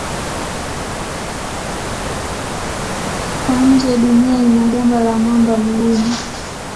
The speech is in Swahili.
Kwa nje Dunia ina gamba la mwamba mgumu.